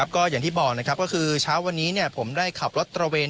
ก็อย่างที่บอกนะครับก็คือเช้าวันนี้ผมได้ขับรถตระเวน